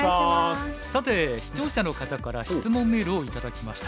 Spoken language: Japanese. さて視聴者の方から質問メールを頂きました。